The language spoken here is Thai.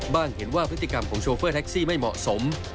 เห็นว่าพฤติกรรมของโชเฟอร์แท็กซี่ไม่เหมาะสม